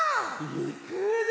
いくぞ。